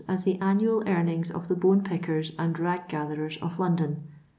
as the annual earnings of the bone>pickers and rag Stherers of lH>ndon.